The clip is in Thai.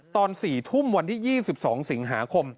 ตอน๔ทุ่มวันที่๒๒สิงหาคม